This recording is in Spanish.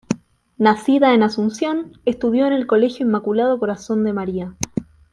Nacida en Asunción, estudió en el Colegio Inmaculado Corazón de María.